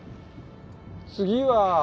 次は。